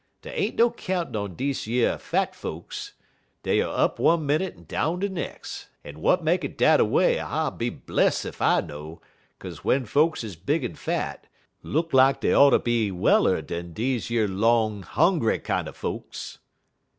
Dey ain't no countin' on deze yer fat folks. Dey er up one minnit en down de nex'; en w'at make it dat a way I be bless ef I know, 'kaze w'en folks is big en fat look lak dey oughter be weller dan deze yer long hongry kinder folks.